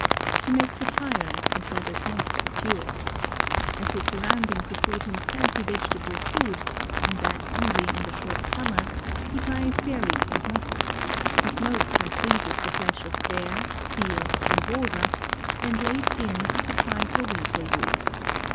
He makes a fire and gathers moss for fuel. As his surroundings afford him scanty vegetable food, and that only in the short summer, he dries berries and mosses ; he smokes and freezes the fiesh of bear, seal, and walrus, and lays in a suppl}' for winter use.